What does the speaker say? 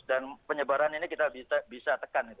dan penyebaran ini kita bisa